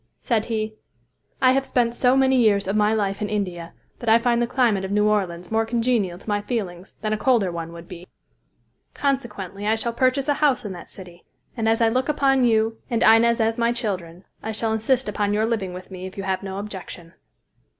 Said he, "I have spent so many years of my life in India that I find the climate of New Orleans more congenial to my feelings than a colder one would be, consequently I shall purchase a house in that city, and as I look upon you and Inez as my children, I shall insist upon your living with me if you have no objection."